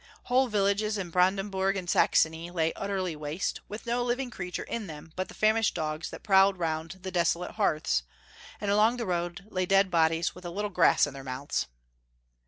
Whole villages in Brandenburg and Saxony lay utterly waste, with no living creature in them but the famished dogs that prowled round the desolate hearths, and along the road lay dead bodies witli a little grass in their mouths.